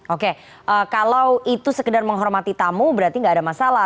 oke kalau itu sekedar menghormati tamu berarti nggak ada masalah